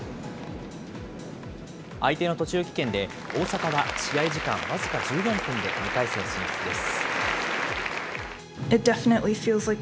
相手の途中棄権で、大坂は試合時間僅か１４分で２回戦進出です。